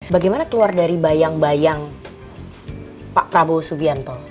bagaimana keluar dari bayang bayang pak prabowo subianto